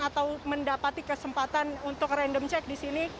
atau mendapati kesempatan untuk random check di sini